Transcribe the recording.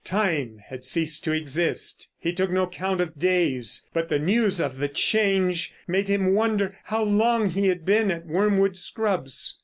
Time had ceased to exist; he took no count of days, but the news of the change made him wonder how long he had been at Wormwood Scrubbs.